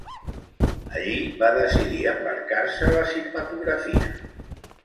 Allí va decidir embarcar-se a la cinematografia.